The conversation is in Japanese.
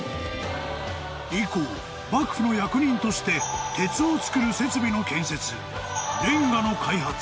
［以降幕府の役人として鉄を作る設備の建設レンガの開発